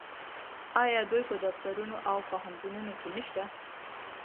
آیا دوی په دفترونو او پوهنتونونو کې نشته؟